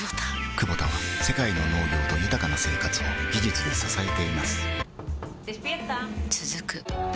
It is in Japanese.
クボタは世界の農業と豊かな生活を技術で支えています起きて。